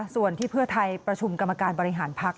ส่วนที่เพื่อไทยประชุมกรรมการบริหารพัก